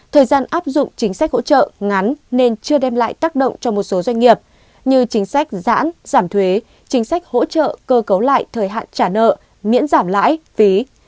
thời gian áp dụng chính sách hỗ trợ ngắn nên chưa đem lại tác động cho một số doanh nghiệp như chính sách giãn giảm thuế chính sách hỗ trợ cơ cấu lại thời hạn trả nợ miễn giảm lãi phí